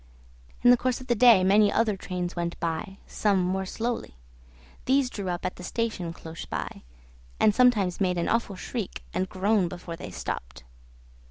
In the course of the day many other trains went by, some more slowly; these drew up at the station close by, and sometimes made an awful shriek and groan before they stopped.